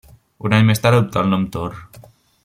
Un any més tard adoptà el nom Tor.